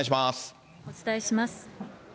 お伝えします。